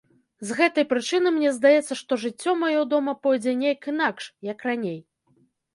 З гэтай прычыны мне здаецца, што жыццё маё дома пойдзе нейк інакш, як раней.